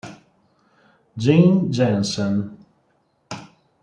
Jane Jensen